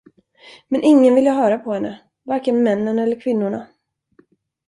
Men ingen ville höra på henne, varken männen eller kvinnorna.